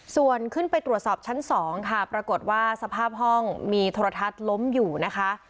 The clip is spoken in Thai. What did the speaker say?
ส่วนขึ้นไปตรวจสอบชั้น๒ค่ะปรากฏว่าสภาพห้องมีโทรทัศน์ล้มอยู่นะคะ